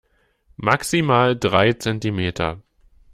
Maximal drei Zentimeter.